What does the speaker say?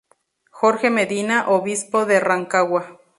Jorge Medina, Obispo de Rancagua.